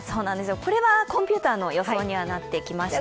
これはコンピューターの予想にはなってきまして。